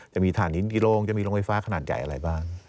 จะมีฐานหินกี่โรงจะมีโรงไฟฟ้าขนาดใหญ่อะไรบ้าง